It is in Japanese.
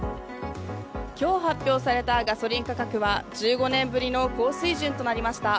今日発表されたガソリン価格は１５年ぶりの高水準となりました。